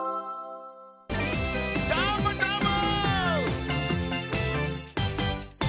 どーもどーも！